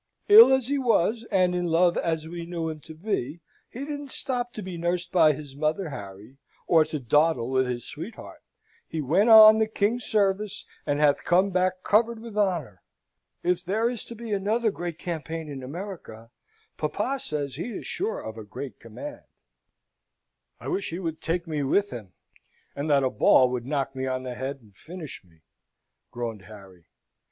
Ill as he was, and in love as we knew him to be, he didn't stop to be nursed by his mother, Harry, or to dawdle with his sweetheart. He went on the King's service, and hath come back covered with honour. If there is to be another great campaign in America, papa says he is sure of a great command." "I wish he would take me with him, and that a ball would knock me on the head and finish me," groaned Harry.